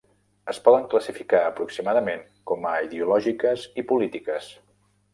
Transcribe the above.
Es poden classificar aproximadament com a ideològiques i polítiques.